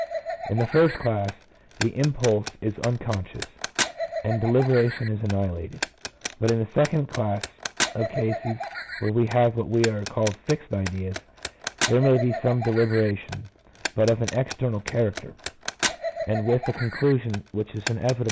In the first class the impulse is unconscious, and deliberation is annihilated ; but in the second class of cases where we have what are called fixed ideas, there may be some deliberation, but of an external character, and with a conclusion which is inevitable 1 N.